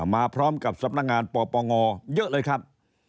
มาพร้อมกับสำนักงานปปงเยอะเลยครับ